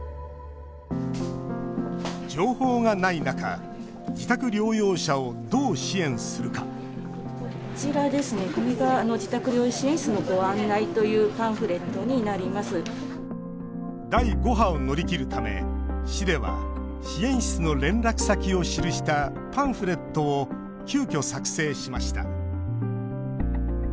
情報がない中自宅療養者をどう支援するか第５波を乗り切るため市では、支援室の連絡先を記したパンフレットを急きょ作成しました。